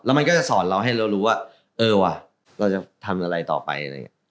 แล้วมันก็จะสอนเราให้เรารู้ว่าเออว่ะเราจะทำอะไรต่อไป